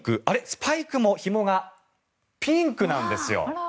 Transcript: スパイクもひもがピンクなんですよ。